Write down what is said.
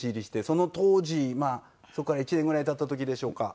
その当時まあそこから１年ぐらい経った時でしょうか。